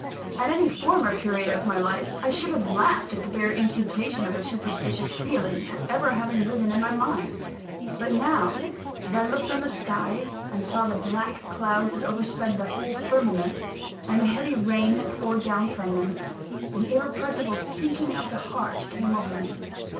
At any former period of my life, I should have laughed at the bare imputation of a "superstitious" feeling ever having risen in my mind. But now, as I looked on the sky, and saw the black clouds that overspread the whole firmament, and the heavy rain that poured down from them, an irrepressible sinking of the heart came over me.